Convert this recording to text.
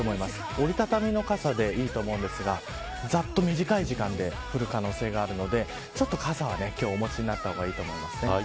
折り畳みの傘でいいと思うんですがざっと短い時間で降る可能性があるので傘をお持ちになった方がいいです。